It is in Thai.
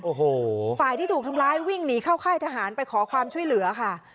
โอ้โหฝ่ายที่ถูกทำร้ายวิ่งหนีเข้าค่ายทหารไปขอความช่วยเหลือค่ะ